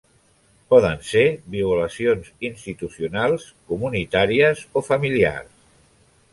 Poden ser violacions institucionals, comunitàries o familiars.